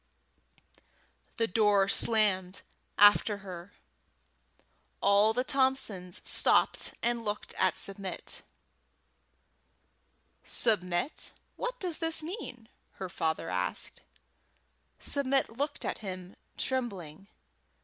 The door slammed after her. All the Thompsons stopped and looked at Submit. "Submit, what does this mean?" her father asked. Submit looked at him, trembling.